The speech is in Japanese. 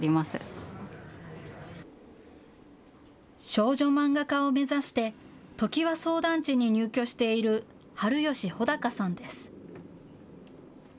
少女漫画家を目指してトキワソウ団地に入居している春吉ほだかさんです。